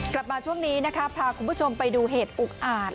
กลับมาช่วงนี้นะคะพาคุณผู้ชมไปดูเหตุอุกอาจ